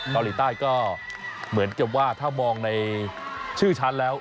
เกาหลีใต้ก็เหมือนกับว่าถ้ามองในชื่อฉันแล้ว